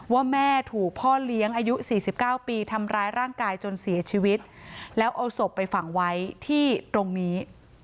ว่าแม่ถูกพ่อเลี้ยงอายุ๔๙ปีทำร้ายร่างกายจนเสียชีวิตแล้วเอาศพไปฝังไว้ที่ตรงนี้